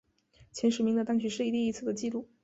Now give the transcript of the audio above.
前十名的单曲是第一次的记录。